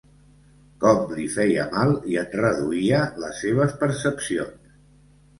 Com li feia mal, i en reduïa les seves percepcions.